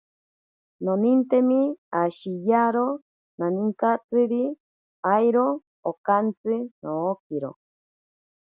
Nonintemi oshiyaro naninkatsiri, airo okantsi nookiro.